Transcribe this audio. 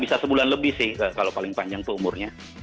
bisa sebulan lebih sih kalau paling panjang tuh umurnya